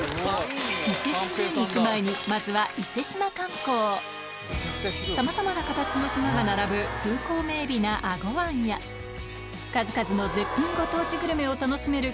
伊勢神宮に行く前にまずはさまざまな形の島が並ぶ風光明媚な数々の絶品ご当地グルメを楽しめる